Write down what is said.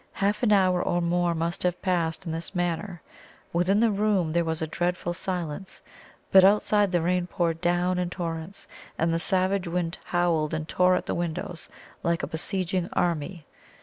Half an hour or more must have passed in this manner; within the room there was a dreadful silence but outside the rain poured down in torrents, and the savage wind howled and tore at the windows like a besieging army.